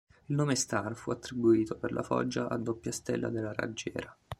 Il nome "Star" fu attribuito per la foggia a doppia stella del raggiera.